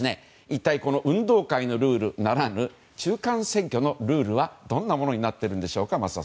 一体この運動会のルールならぬ中間選挙のルールはどんなものになっているんでしょうか。